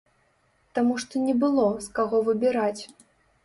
Таму што не было, з каго выбіраць.